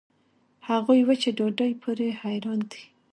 هغوي وچې ډوډوۍ پورې حېران دي.